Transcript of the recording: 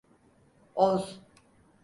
Oz.